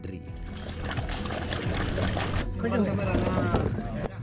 dan seledri juga memiliki makanan yang berbeda